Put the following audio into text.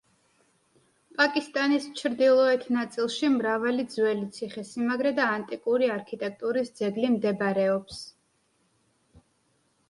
პაკისტანის ჩრდილოეთ ნაწილში მრავალი ძველი ციხესიმაგრე და ანტიკური არქიტექტურის ძეგლი მდებარეობს.